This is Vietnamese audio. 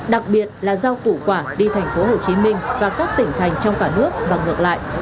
đặc biệt là rau củ quả đi thành phố hồ chí minh và các tỉnh thành trong cả nước và ngược lại